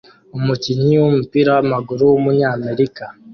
Umukinnyi wumupira wamaguru wumunyamerika